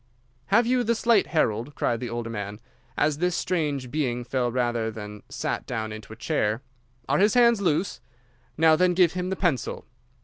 "'Have you the slate, Harold?' cried the older man, as this strange being fell rather than sat down into a chair. 'Are his hands loose? Now, then, give him the pencil.